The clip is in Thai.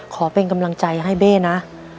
ขอเป็นกำลังใจให้เบ้นะ